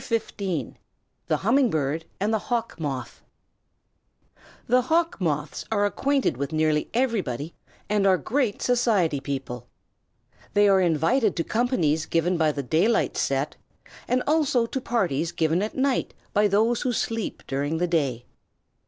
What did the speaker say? THE HUMMING BIRD AND THE HAWK MOTH The Hawk Moths are acquainted with nearly everybody and are great society people. They are invited to companies given by the daylight set, and also to parties given at night by those who sleep during the day.